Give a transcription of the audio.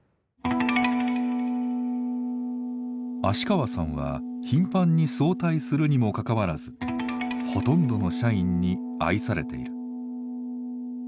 芦川さんは頻繁に早退するにもかかわらずほとんどの社員に愛されている。